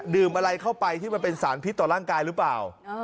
อะไรเข้าไปที่มันเป็นสารพิษต่อร่างกายหรือเปล่า